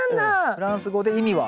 フランス語で意味は？